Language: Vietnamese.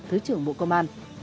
thứ trưởng bộ công an